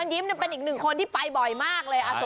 คุณเฮงเฮงเชินยิ้มได้เป็นอีกหนึ่งคนที่ไปบ่อยมากเลย